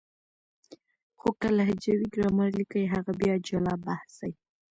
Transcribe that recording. خو که لهجوي ګرامر ليکي هغه بیا جلا بحث دی.